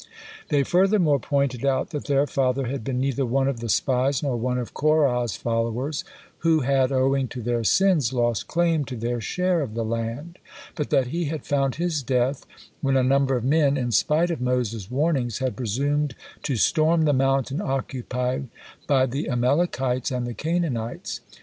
They furthermore pointed out that their father had been neither one of the spies nor one of Korah's followers, who had, owing to their sins, lost claim to their share of the land, but that he had found his death when a number of men, in spite of Moses' warnings, had presumed to storm the mountain occupied by the Amalekites and the Canaanites.